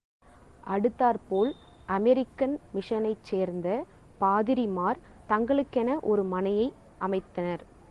அடுத்தாற்போல் அமெரிக்கன் மிஷனைச் சேர்ந்த பாதிரிமார் தங்களுக்கென ஒரு மனையை அமைத்தனர்.